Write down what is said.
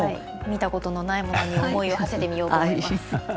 見たことのないものに思いをはせてみようと思います。